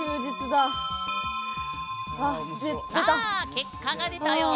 結果が出たよ！